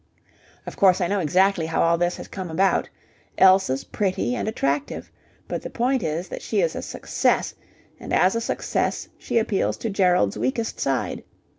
"Of course, I know exactly how all this has come about. Elsa's pretty and attractive. But the point is that she is a success, and as a success she appeals to Gerald's weakest side.